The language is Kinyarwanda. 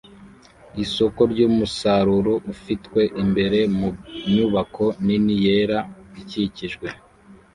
isoko ry'umusaruro ufitwe imbere mu nyubako nini yera ikikijwe